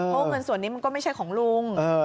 เพราะเงินส่วนนี้มันก็ไม่ใช่ของลุง